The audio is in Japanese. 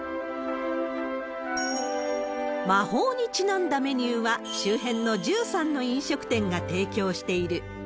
魔法にちなんだメニューは、周辺の１３の飲食店が提供している。